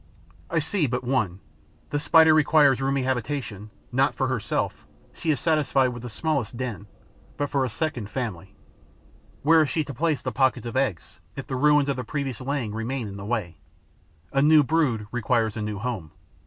I see but one: the Spider requires a roomy habitation, not for herself she is satisfied with the smallest den but for a second family. Where is she to place the pockets of eggs, if the ruins of the previous laying remain in the way? A new brood requires a new home.